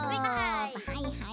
はいはい。